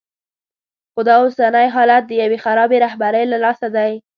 خو دا اوسنی حالت د یوې خرابې رهبرۍ له لاسه دی.